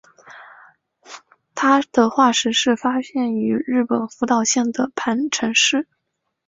它的化石是发现于日本福岛县的磐城市。